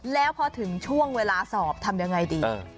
แล้วพอถึงช่วงเวลาสอบทำยังไงดี